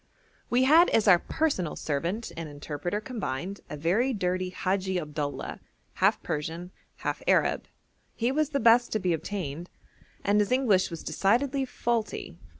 We had as our personal servant and interpreter combined a very dirty Hadji Abdullah, half Persian, half Arab. He was the best to be obtained, and his English was decidedly faulty.